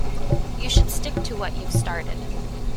You should stick to what you’ve started.